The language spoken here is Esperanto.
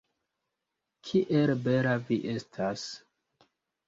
Kiel bela vi estas!